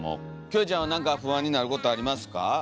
キョエちゃんは何か不安になることありますか？